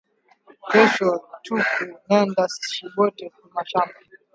Kesho tuku nenda shibote ku mashamba